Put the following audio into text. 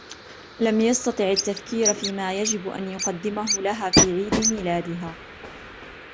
لم يستطع التفكير في ما يجب أن يقدمه لها في عيد ميلادها.